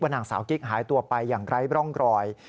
นางสาวกิ๊กหายตัวไปอย่างไร้ร่องรอย